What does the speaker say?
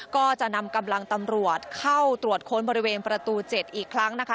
ก็จะนำกำลังตำรวจเข้าตรวจค้นบริเวณประตู๗อีกครั้งนะคะ